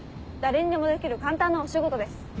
誰にでもできる簡単なお仕事です。